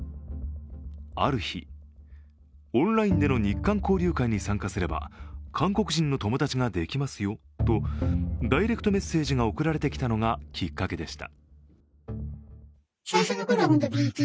ある日、オンラインでの日韓交流会に参加すれば韓国人の友達ができますよとダイレクトメッセージが送られてきたのがきっかけでした。